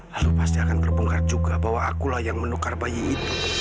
lalu pasti akan terbongkar juga bahwa akulah yang menukar bayi itu